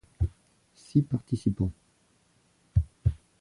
Six participants.